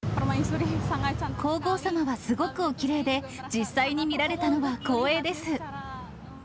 皇后さまはすごくおきれいで、実際に見られたのは光栄です。